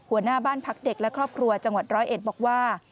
หัวหน้าบ้านพักเด็กและครอบครัวจังหวัดร้อยเอ็ดบอกว่า